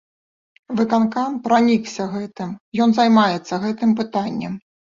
Выканкам пранікся гэтым, ён займаецца гэтым пытаннем.